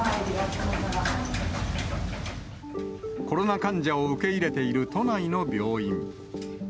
コロナ患者を受け入れている都内の病院。